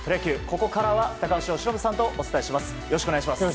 ここからは高橋由伸さんとお伝えします。